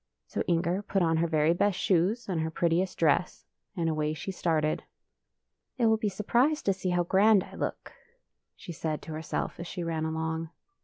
So Inger put on her very best shoes and her prettiest dress, and away she started. '' They will be surprised to see how grand I look," she said to herself as she ran along.